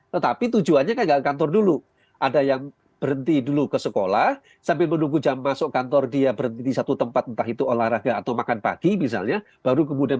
tetapi tujuannya kan ke kantor dulu ada yang berhenti dulu ke sekolah sambil menunggu jam masuk kantor dia berhenti di satu tempat entah itu olahraga atau makan pagi misalnya baru kemudian